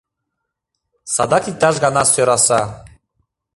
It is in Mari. Садак иктаж-гана сӧраса.